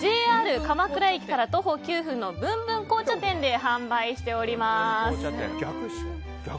ＪＲ鎌倉駅から徒歩９分のブンブン紅茶店で販売しております。